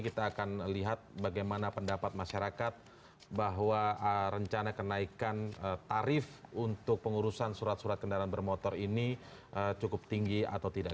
kita akan lihat bagaimana pendapat masyarakat bahwa rencana kenaikan tarif untuk pengurusan surat surat kendaraan bermotor ini cukup tinggi atau tidak